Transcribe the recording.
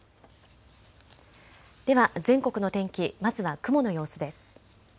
では全国の天気、まずは雲の様子です。